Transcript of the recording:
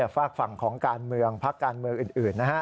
ฝากฝั่งของการเมืองพักการเมืองอื่นนะฮะ